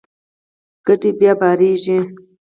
کډې بیا بارېږي.